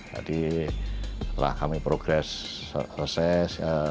jadi setelah kami progress success